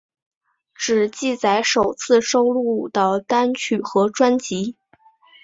只记载首次收录的单曲和专辑。